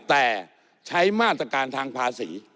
แต่ใช้มาตรการทางภาษี